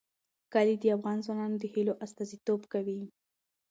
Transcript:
کلي د افغان ځوانانو د هیلو استازیتوب کوي.